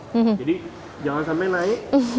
jadi jangan sampai naik